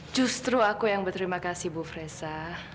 justru aku yang berterima kasih bu fresa